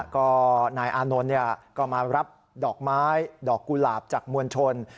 ก็นายอานนท์ก็มารับดอกไม้ดอกกุหลาบจากมวลชน